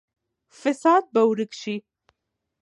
فساد به ورک شي.